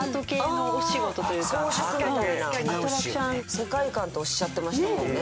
「世界観」とおっしゃってましたもんね。